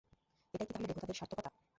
এটাই কি তাহলে দেবতাদের সার্থকতা?